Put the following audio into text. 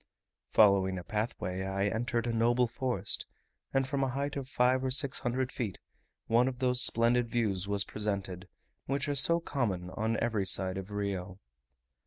Following a pathway, I entered a noble forest, and from a height of five or six hundred feet, one of those splendid views was presented, which are so common on every side of Rio.